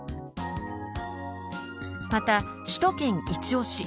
また首都圏いちオシ！